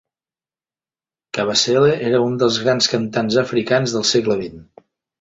Kabasele era un dels grans cantants africans del segle vint.